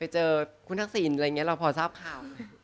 เจอคุณทักษิณอะไรอย่างนี้เราพอทราบข่าว